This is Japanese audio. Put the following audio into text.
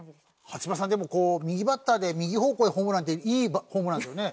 初芝さんでも右バッターで右方向へホームランっていいホームランですよね？